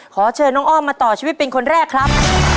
ขอเชิญน้องอ้อมมาต่อชีวิตเป็นคนแรกครับ